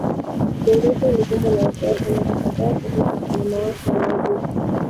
Ujenzi wake ulikumbwa na wasiwasi mara kadha kuhusu usalama wake Maafisa wanasema watu zaidi